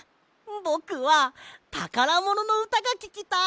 ぼくはたからもののうたがききたい！